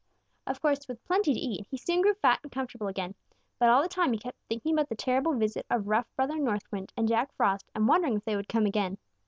Of course, with plenty to eat, he soon grew fat and comfortable again, but all the time he kept thinking about the terrible visit of rough Brother North Wind and Jack Frost and wondering if they would come again.